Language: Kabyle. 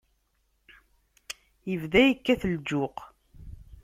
Yebda yekkat lǧuq.